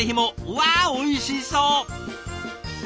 わあおいしそう！